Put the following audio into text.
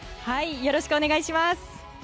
よろしくお願いします。